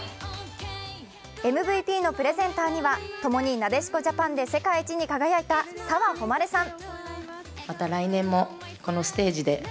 ＭＶＰのプレゼンターには共になでしこジャパンで世界一に輝いた澤穂希さん。